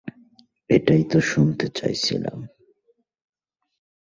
এটাই তো শুনতে চাইছিলাম।